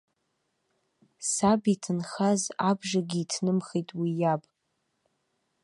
Саб иҭынхаз абжагьы иҭнымхеит уи иаб.